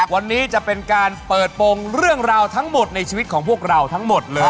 วันนี้จะเป็นการเปิดโปรงเรื่องราวทั้งหมดในชีวิตของพวกเราทั้งหมดเลย